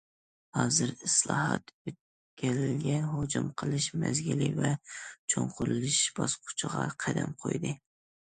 ھازىر، ئىسلاھات ئۆتكەلگە ھۇجۇم قىلىش مەزگىلى ۋە چوڭقۇرلىشىش باسقۇچىغا قەدەم قويدى.